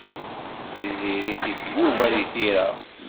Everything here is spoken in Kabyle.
Tiziri tif Yuba deg tira.